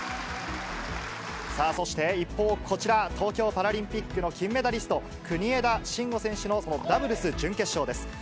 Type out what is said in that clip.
そして、一方こちら、東京パラリンピックの金メダリスト、国枝慎吾選手のダブルス準決勝です。